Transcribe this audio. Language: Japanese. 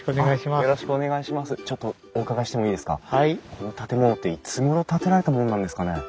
この建物っていつごろ建てられたものなんですかね？